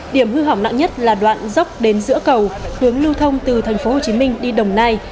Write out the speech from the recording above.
điểm hư hỏng nặng nhất là đoạn dốc đến giữa cầu hướng lưu thông từ tp hcm đi đồng nai